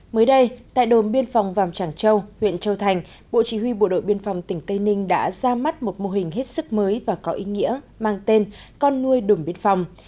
mới đây tại đồn biên phòng vàng tràng châu huyện châu thành bộ chỉ huy bộ đội biên phòng tỉnh tây ninh đã ra mắt một mô hình hết sức mới và có ý nghĩa mang tên con nuôi đồn biên phòng